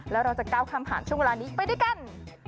แล้วเราจะก้าวข้ามผ่านช่วงเวลานี้ไปด้วยกัน